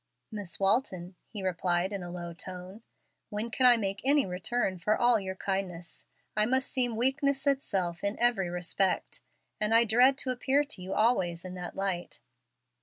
"Miss Walton," he replied, in a low tone, "when can I make any return for all your kindness? I must seem weakness itself in every respect, and I dread to appear to you always in that light."